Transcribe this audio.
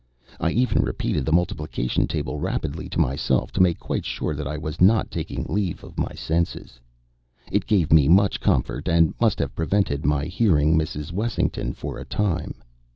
I even repeated the multiplication table rapidly to myself, to make quite sure that I was not taking leave of my senses. It gave me much comfort; and must have prevented my hearing Mrs. Wessington for a time.